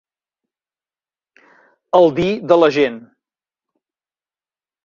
El dir de la gent.